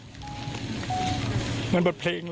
ก็ตอบได้คำเดียวนะครับ